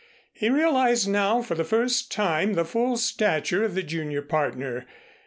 He realized now for the first time the full stature of the junior partner.